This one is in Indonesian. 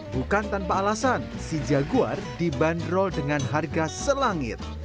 bukan tanpa alasan si jaguar dibanderol dengan harga selangit